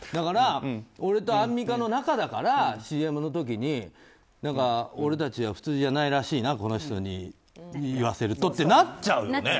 俺とアンミカの仲だからＣＭの時に俺たちは普通じゃないらしいなこの人に言わせるとってなっちゃうよね。